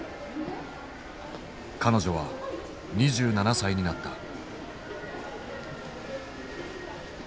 彼女は２７歳になった。